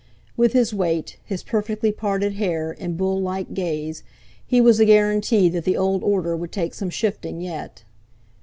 With his weight, his perfectly parted hair, and bull like gaze, he was a guarantee that the old order would take some shifting yet.